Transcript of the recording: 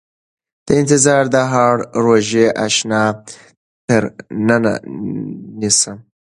د انتظار د هاړ روژې اشنا تر ننه نيسم